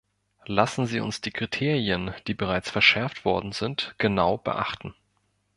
Lassen Sie uns die Kriterien, die bereits verschärft worden sind, genau beachten.